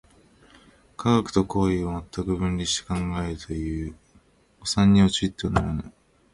科学と行為とを全く分離して考えるという誤謬に陥ってはならぬ。